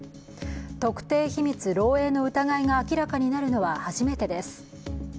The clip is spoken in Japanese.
特定秘密漏えいの疑いが明らかになるのは初めてです。